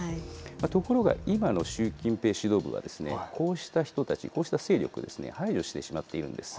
ところが今の習近平指導部は、こうした人たち、こうした勢力を排除してしまっているんです。